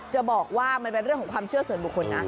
จะบอกว่ามันเป็นเรื่องของความเชื่อส่วนบุคคลนะ